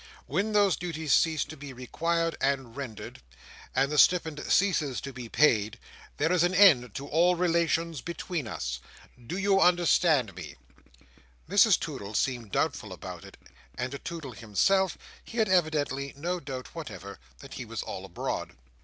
When those duties cease to be required and rendered, and the stipend ceases to be paid, there is an end of all relations between us. Do you understand me?" Mrs Toodle seemed doubtful about it; and as to Toodle himself, he had evidently no doubt whatever, that he was all abroad.